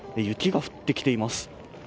雪が降ってきています。